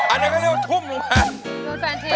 อันนี้ก็เรียกว่าทุ่มลงมา